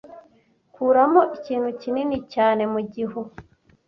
Kuramo ikintu kinini cyane mu gihu